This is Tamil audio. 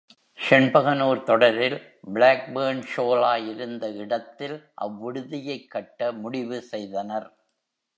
செண்பகனூர் தொடரில், ப்ளேக்பர்ன் ஷோலா இருந்த இடத்தில் அவ் விடுதியைக் கட்ட முடிவு செய்தனர்.